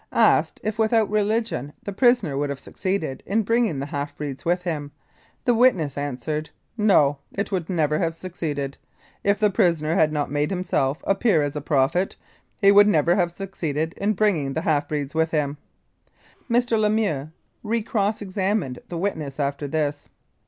Asked, if without religion, the prisoner would have succeeded m bringing the half breeds with him, the witness answered : "No, it would never have succeeded. If the prisoner had not made himself appear as a prophet he would neter have succeeded in bringing the half breeds with han." Mr. Lemkux re cross examined the witness after this.